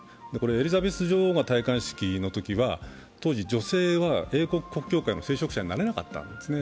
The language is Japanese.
エリザベス女王の戴冠式の時は、当時女性は英国国教会の聖職者になれなかったわけですね。